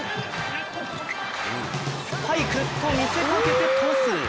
スパイク！と見せかけてトス。